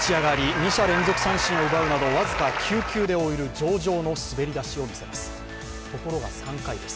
２者連続三振を奪い僅か９球で終える上々の滑り出しを見せます。